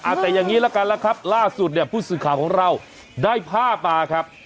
แต่อย่างนี้ละกันแล้วครับล่าสุดเนี่ยผู้สื่อข่าวของเราได้ภาพมาครับ